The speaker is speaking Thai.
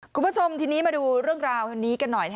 คุณผู้ชมทีนี้มาดูเรื่องราวอันนี้กันหน่อย